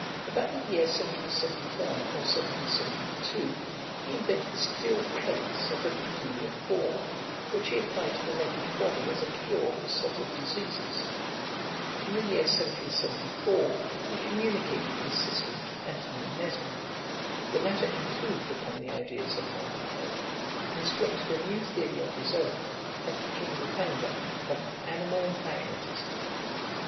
About the year 1771 or 1772 he invented steel plates of a peculiar form, which he applied to the naked body as a cure for several diseases. In the year 1774 he communicated his system to Anthony Mesmer. The latter improved upon the ideas of Father Hell, constructed a new theory of his own, and became the founder of ANIMAL MAGNETISM.